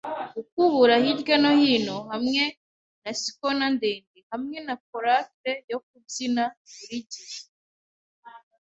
gukubura hirya no hino hamwe na schooner ndende hamwe na coracle yo kubyina; burigihe